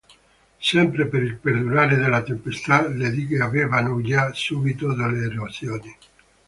Sempre per il perdurare della tempesta, le dighe avevano già subito delle erosioni.